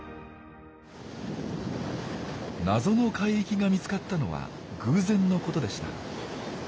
「謎の海域」が見つかったのは偶然のことでした。